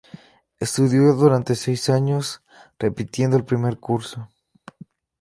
Estudió durante seis años, repitiendo el primer curso.